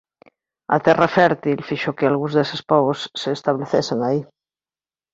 A terra fértil fixo que algúns deses pobos se establecesen aí.